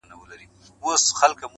زما سره اوس لا هم د هغي بېوفا ياري ده.